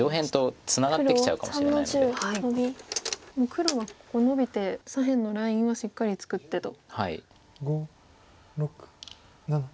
黒はここノビて左辺のラインはしっかり作ってと。